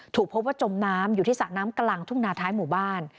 ถูกพบว่าจมน้ำอยู่ที่สระน้ำกลางทุ่งนาท้ายหมู่บ้าน